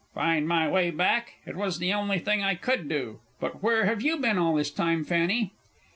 Find my way back! It was the only thing I could do. But where have you been all this time, Fanny?